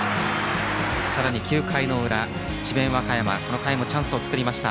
さらに９回の裏、智弁和歌山はこの回もチャンスを作りました。